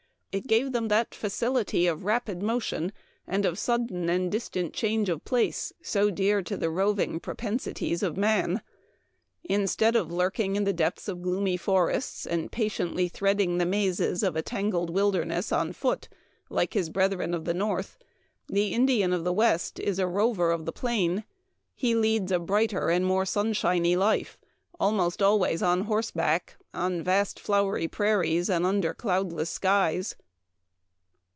It gave them that facility of rapid motion, and of sudden and distant change of place, so dear to the rov ing propensities of man. Instead of lurking in the depths of gloomy forests, and patiently threading the mazes of a tangled wilderness on foot, like his brethren of the North, the Indian of the West is a rover of the plain ; he leads a Memoir of Washington Irving. 219 brighter and more sunshiny life, almost always on horseback on vast flowery prairies and under cloudless skies."